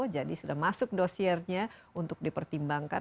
jadi sudah masuk dosiernya untuk dipertimbangkan